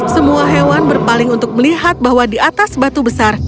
semua hewan berpaling untuk melihat bahwa di atas batu besar